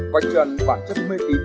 quan trân bản chất mê tín